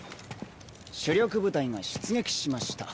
主力部隊が出撃しました。